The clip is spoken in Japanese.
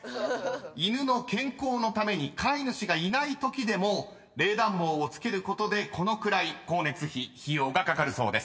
［犬の健康のために飼い主がいないときでも冷暖房をつけることでこのくらい「光熱費」費用がかかるそうです］